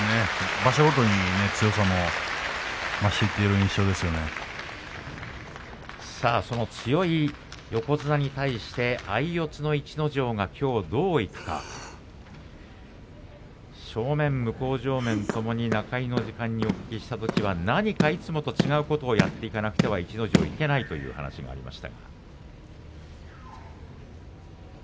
場所ごとに強さもその強い横綱に対して相四つの逸ノ城がきょう、どういくか正面、向正面ともに中入りの時間にお聞きしたときには何かいつもと違うことをやっていかなければ、逸ノ城はいけないという話でした。